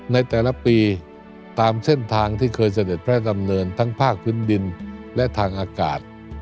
ในแต่ละปีตามเส้นทางที่เคยเสด็จพระดำเนินทั้งภาคพื้นดินและทางอากาศ